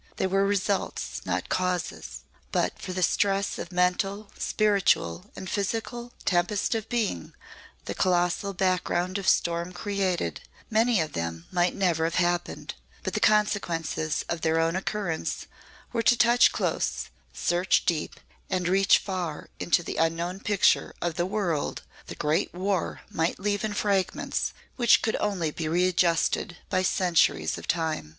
They were results not causes. But for the stress of mental, spiritual and physical tempest of being the colossal background of storm created, many of them might never have happened; but the consequences of their occurrence were to touch close, search deep, and reach far into the unknown picture of the World the great War might leave in fragments which could only be readjusted by centuries of time.